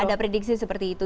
ada prediksi seperti itu